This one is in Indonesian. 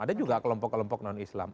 ada juga kelompok kelompok non islam